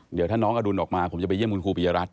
เดี๋ยวถ้าน้องอดุลออกมาผมจะไปเยี่ยมคุณครูปียรัฐ